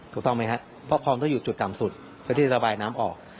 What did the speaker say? ถูกต้องไหมครับเพราะคลองต้องอยู่จุดต่ำสุดเพื่อที่จะระบายน้ำออก